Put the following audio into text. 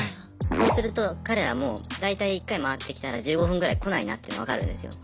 そうすると彼らも大体１回回ってきたら１５分ぐらい来ないなって分かるんですよ。